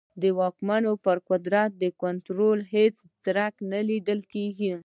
د واکمنانو پر قدرت د کنټرول هېڅ څرک نه لیدل کېږي.